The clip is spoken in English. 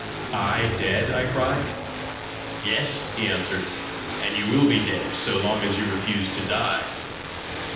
"I dead?" I cried. "Yes," he answered; "and you will be dead, so long as you refuse to die."